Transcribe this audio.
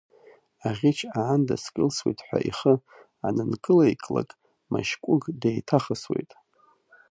Аӷьыч аанда скылсует ҳәа ихы анынкылеиклак, Машькәыгә деиҭахысуеит.